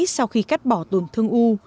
sau khi cắt bỏ tồn thương u